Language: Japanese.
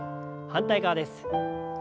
反対側です。